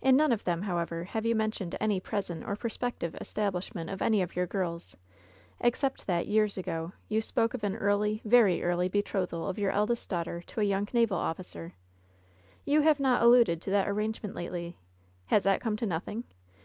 "In none of them, however, have you mentioned any present or prospective establishment of any of your girls, except that, years ago, you spoke of an early, very early betrothal of your eldest daughter to a young naval oflSr cer. You have not alluded to that arrangement lately. Has that come to nothing